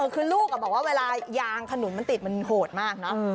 คือลูกบอกว่าเวลายางขนุนมันติดมันโหดมากเนอะ